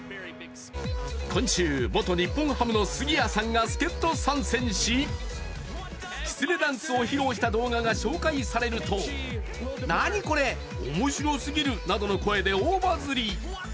今週、元日本ハムの杉谷さんが助っと参戦し、きつねダンスを披露した動画が公開されるとなどの声で大バズり。